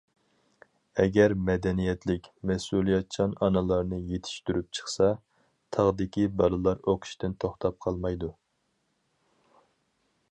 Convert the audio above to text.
ئەگەر مەدەنىيەتلىك، مەسئۇلىيەتچان ئانىلارنى يېتىشتۈرۈپ چىقسا، تاغدىكى بالىلار ئوقۇشتىن توختاپ قالمايدۇ.